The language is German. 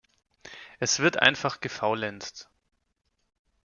Es wird einfach gefaulenzt.